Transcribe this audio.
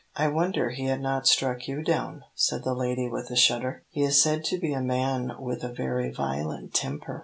"I wonder he had not struck you down," said the lady, with a shudder. "He is said to be a man with a very violent temper."